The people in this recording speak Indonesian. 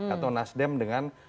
atau nasdem dengan